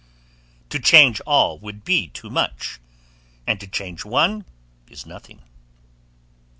212]; to change all would be too much, and to change one is nothing.